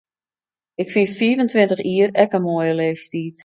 Ik fyn fiif en tweintich jier ek in moaie leeftyd.